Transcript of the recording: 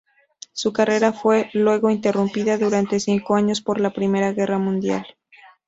Su carrera fue luego interrumpida durante cinco años por la Primera Guerra Mundial.